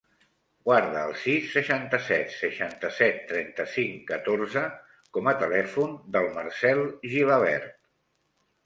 Guarda el sis, seixanta-set, seixanta-set, trenta-cinc, catorze com a telèfon del Marcèl Gilabert.